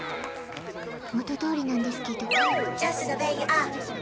元通りなんですけど。